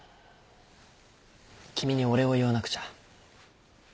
君にお礼を言わなくちゃ。